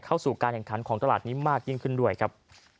เข้าสู่การแข่งขันของตลาดนี้มากยิ่งขึ้นด้วยครับ